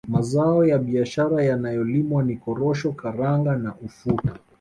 Mazao ya biashara yanayolimwa ni Korosho Karanga na Ufuta